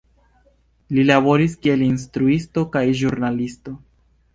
Li laboris kiel instruisto kaj ĵurnalisto.